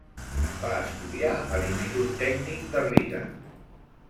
Va estudiar a l'Institut Tècnic de Riga.